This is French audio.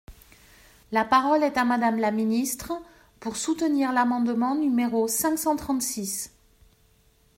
La parole est à Madame la ministre, pour soutenir l’amendement numéro cinq cent trente-six.